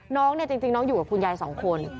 น้องเนี่ยจริงน้องอยู่กับคุณยายสองคน